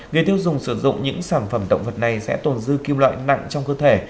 người tiêu dùng sử dụng những sản phẩm động vật này sẽ tồn dư kim loại nặng trong cơ thể